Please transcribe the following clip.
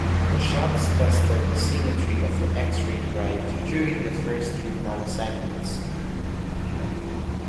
The shots tested the symmetry of the X-ray drive during the first three nanoseconds.